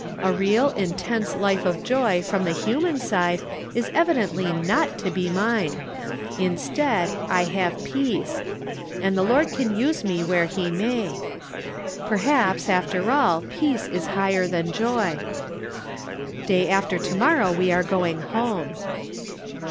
A real, intense life of joy from the human side is evidently not to be mine. Instead, I have peace, and the Lord can use me where he may. Perhaps, after all, peace is higher than joy. Day after to morrow we are going home.